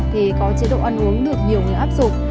thì có chế độ ăn uống được nhiều người áp dụng